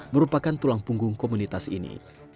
merupakan tulang punggung komunitas ini